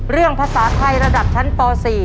เรื่องภาษาไทยระดับชั้นต่อ๔